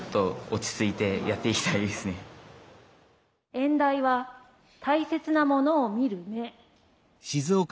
演題は「大切なものを見る目」。